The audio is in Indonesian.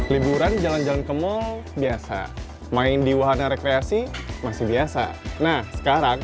liburan jalan jalan ke mall biasa main di wahana rekreasi masih biasa nah sekarang